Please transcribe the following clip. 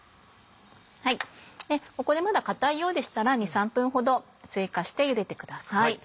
ここでまだ硬いようでしたら２３分ほど追加してゆでてください。